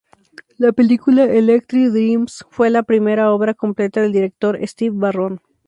La película "Electric Dreams" fue la primera obra completa del director Steve Barron.